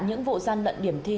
những vụ gian lận điểm thi